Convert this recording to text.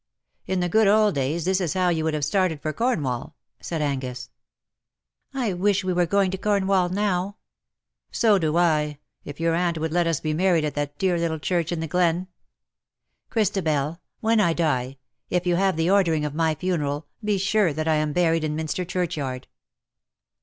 " In the good pld days this is how you would have started for Cornwall," said Angus. " I wish we were going to Cornwall now.'' ^^ So do I, if your aunt would let us be married at that dear little church in the glen. Christabel, when I die, if you have the ordering of my funeral, be sure that I am buried in Minster Churchyard."